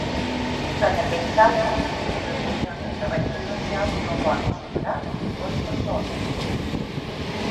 En aquests casos, les reunions de treball presencials no poden superar les dues persones.